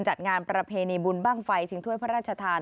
จัดงานประเพณีบุญบ้างไฟชิงถ้วยพระราชทาน